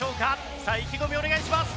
さあ意気込みをお願いします。